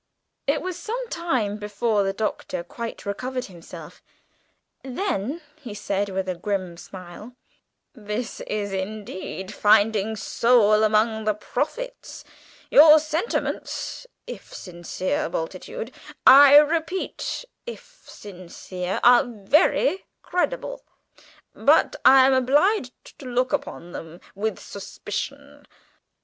It was some time before the Doctor quite recovered himself; then he said with a grim smile, "This is indeed finding Saul amongst the prophets; your sentiments, if sincere, Bultitude I repeat, if sincere are very creditable. But I am obliged to look upon them with suspicion!"